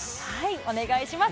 お願いします。